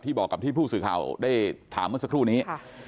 บอกกับที่ผู้สื่อข่าวได้ถามเมื่อสักครู่นี้